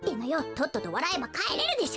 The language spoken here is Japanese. とっととわらえばかえれるでしょ！